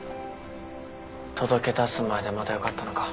届け出す前でまだよかったのか。